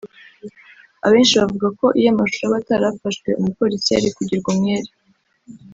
abenshi bavuga ko iyo amashusho aba atarafashwe umupolisi yari kugirwa umwere